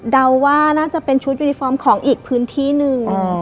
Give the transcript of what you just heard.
เดาว่าน่าจะเป็นชุดยูนิฟอร์มของอีกพื้นที่หนึ่ง